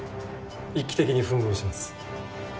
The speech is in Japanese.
一期的に吻合します。